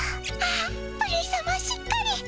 あっプリンさましっかり！